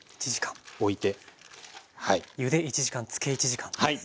ゆで１時間つけ１時間ってことですね。